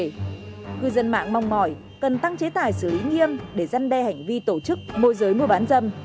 cư dân mạng mong mỏi cần tăng chế tài xử lý nghiêm để giăn đe hành vi tổ chức môi giới mua bán dâm